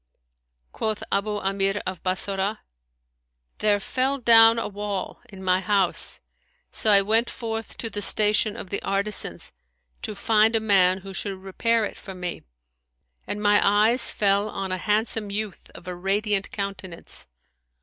(Quoth Abϊ Amir of Bassorah) "There fell down a wall in my house; so I went forth to the station of the artisans to find a man who should repair it for me, and my eyes fell on a handsome youth of a radiant countenance.